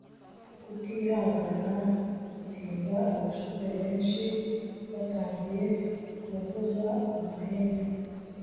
kutihangana gutinda, abashoferi benshi batangiye kuvuza amahembe